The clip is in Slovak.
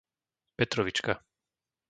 Petrovička